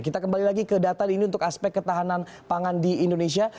kita kembali lagi ke data ini untuk aspek ketahanan pangan di indonesia